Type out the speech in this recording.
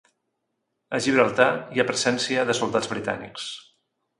A Gibraltar hi ha presència de soldats britànics.